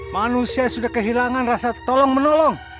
manusia sudah kehilangan rasa tolong menolong